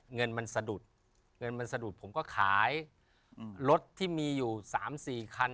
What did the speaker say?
เงินมันสะดุดเงินมันสะดุดผมก็ขายรถที่มีอยู่๓๔คัน